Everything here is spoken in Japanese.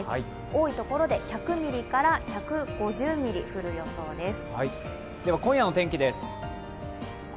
多いところで１００ミリから１５０ミリ降る予想です。